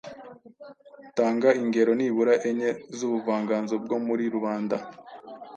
Tanga ingero nibura enye z’ubuvanganzo bwo muri rubanda,